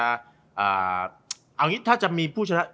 เอาอย่างนี้ถ้าจะมีผู้ชนะ